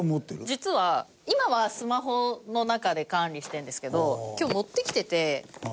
実は今はスマホの中で管理してるんですけど今日持ってきてて。